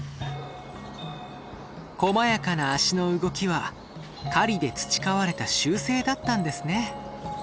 こまやかな足の動きは狩りで培われた習性だったんですね。